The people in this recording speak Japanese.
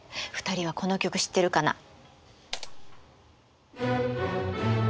２人はこの曲知ってるかな？